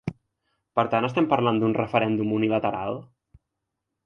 Per tant estem parlant d’un referèndum unilateral?